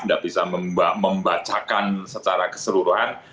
tidak bisa membacakan secara keseluruhan